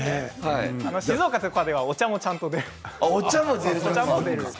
静岡とかではお茶もちゃんと出るんです。